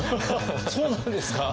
そうなんですか。